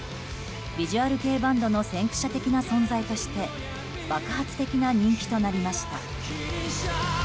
ビジュアル系バンドの先駆者的な存在として爆発的な人気となりました。